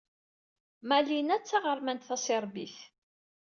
Malina d taɣermant taṣirbit.